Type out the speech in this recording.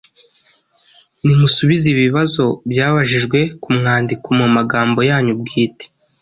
Nimusubize ibi bibazo byabajijwe ku mwandiko mu magambo yanyu bwite